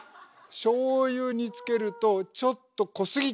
しょうゆにつけるとちょっと濃すぎた。